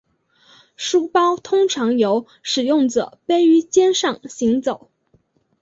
书包通常由使用者背于肩上行走。